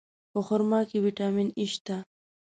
په خرما کې ویټامین E شته.